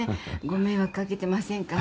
ご迷惑かけてませんか？